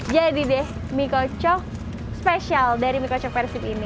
jadi deh mie kocok spesial dari mie kocok persib ini